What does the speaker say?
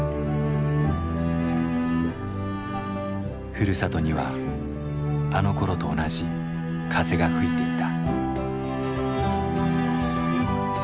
ふるさとにはあのころと同じ風が吹いていた。